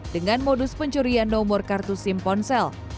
dengan modus pencurian nomor kartu sim ponsel